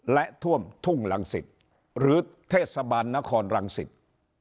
และท่วมทุ่งลังศิษย์หรือเทศบาลนครลังศิษย์